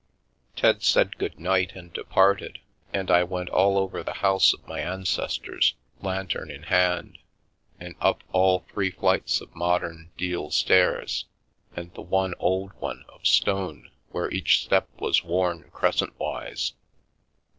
Ted said good night and departed, and I went all over the house of my ancestors, lantern in hand, and up all three flights of modern deal stairs and the one old one of stone where each step was worn crescent wise.